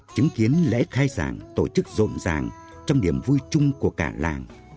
chứng kiến lễ khai giảng tổ chức rộn ràng trong điểm vui chung của cả làng